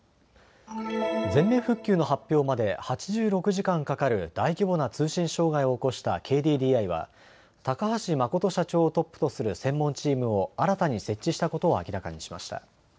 全面復旧の発表まで８６時間かかる大規模な通信障害を起こしたＫＤＤＩは高橋誠社長をトップとする専門チームを新たに設置したことを明らかにしました。